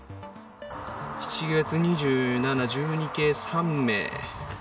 ７月２７・１２系・３名。